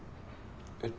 えっ？